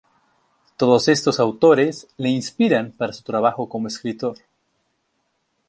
Todos estos autores le inspiran para su trabajo como escritor.